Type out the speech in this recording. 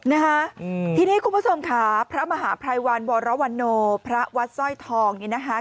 นะคะทีนี้คุณผู้ชมค่ะพระมหาภัยวันวรวรโนพระวัดสร้อยทองนี้นะคะ